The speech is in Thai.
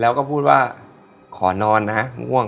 แล้วก็พูดว่าขอนอนนะฮะง่วง